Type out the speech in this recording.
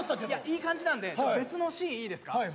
いい感じなんで別のシーンいいですか？